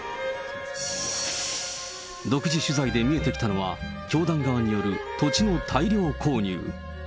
独自取材で見えてきたのは、教団側による土地の大量購入。